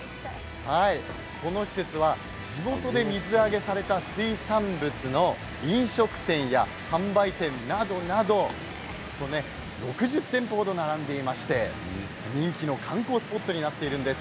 この施設は地元で水揚げされた水産物の飲食店や販売店などなど６０店舗程、並んでいまして人気の観光スポットにもなっているんです。